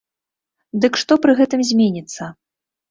Дык што пры гэтым зменіцца?